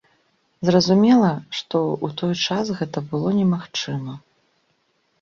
Зразумела, што ў той час гэта было немагчыма!